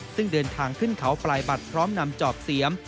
ซึ่งเดินทางขึ้นเขาปลายบัตรพร้อมนำจอบเสียม